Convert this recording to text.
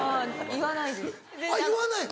言わないです。